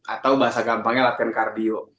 atau bahasa gampangnya latihan kardio